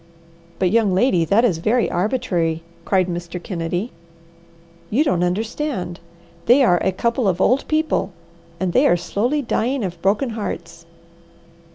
"But young lady, that is very arbitrary!" cried Mr. Kennedy. "You don't understand! They are a couple of old people, and they are slowly dying of broken hearts!"